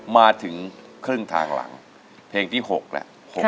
มาถึงครึ่งทางหลังเพลงที่๖แล้ว